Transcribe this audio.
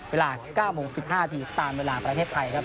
เวลา๙๑๕ตามเวลาประเทศไทยครับ